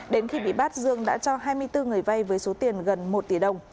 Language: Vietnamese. đến khi bị bắt dương đã cho hai mươi bốn người vay với số tiền gần một tỷ đồng